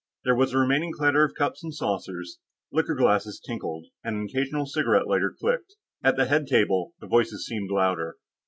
There was a remaining clatter of cups and saucers; liqueur glasses tinkled, and an occasional cigarette lighter clicked. At the head table, the voices seemed louder.